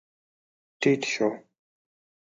ټيټ شو.